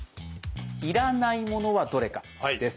「要らないものはどれか」です。